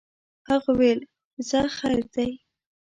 هغه ویل ځه خیر دی.